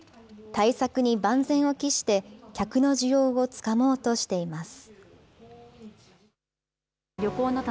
対策に万全を期して、客の需要をつかもうとしています。